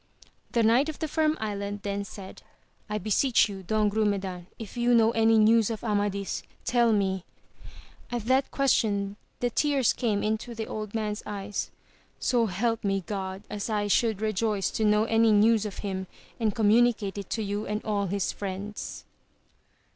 The Knight of the Firm Island then said, I beseech you Don Grumedan if you know any news of Amadis tell me ! at that question the tears came into the old man's eyes, — so help me God, as I should rejoice to know any news of him, and communicate it to you and all his friends